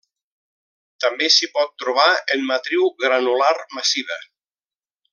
També s'hi pot trobar en matriu granular massiva.